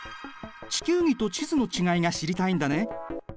地球儀と地図の違いが知りたいんだね。